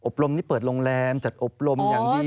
รมนี่เปิดโรงแรมจัดอบรมอย่างดี